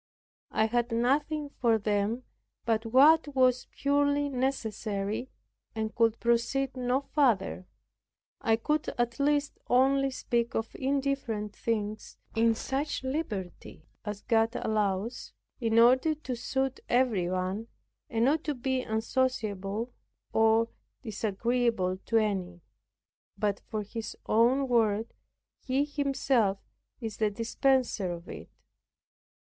I had nothing for them but what was purely necessary, and could proceed no farther. I could at least only speak of indifferent things, in such liberty as God allows, in order to suit everyone, and not to be unsociable or disagreeable to any; but for His own word, He Himself is the dispenser of it.